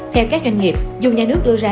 theo các doanh nghiệp dù nhà nước đưa ra